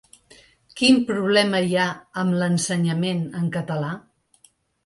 Quin problema hi ha amb l’ensenyament en català?